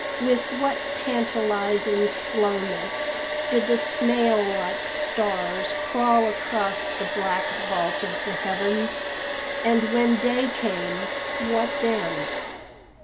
With what tantalising slowness did the snail like stars crawl across the black vault of the heavens! And when day came, what then?